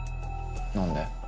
何で？